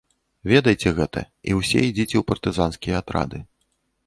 Ведайце гэта, і ўсе ідзіце ў партызанскія атрады.